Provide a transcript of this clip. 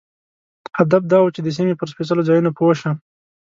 هدف دا و چې د سیمې پر سپېڅلو ځایونو پوه شم.